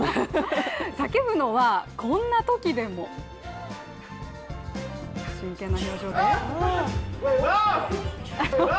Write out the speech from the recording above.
叫ぶのは、こんなときでも真剣な表情で？